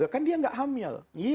kan dia tidak hamil